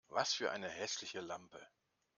Was für eine hässliche Lampe!